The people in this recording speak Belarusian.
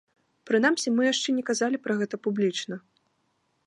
Прынамсі, мы яшчэ не казалі пра гэта публічна.